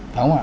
phải không ạ